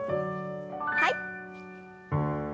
はい。